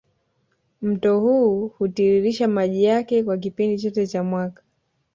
Mto huu hutiririsha maji yake kwa kipindi chote cha mwaka